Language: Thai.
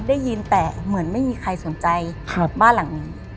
ได้ยินแต่เหมือนไม่มีใครสนใจบ้านหลังนี้